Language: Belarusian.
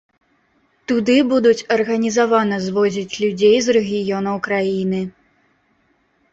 Туды будуць арганізавана звозіць людзей з рэгіёнаў краіны.